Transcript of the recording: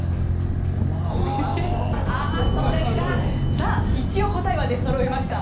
さあ一応答えは出そろいました。